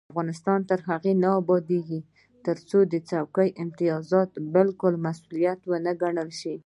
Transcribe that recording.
افغانستان تر هغو نه ابادیږي، ترڅو څوکۍ امتیاز نه بلکې مسؤلیت وګڼل شي.